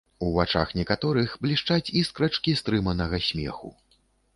У вачах некаторых блішчаць іскрачкі стрыманага смеху.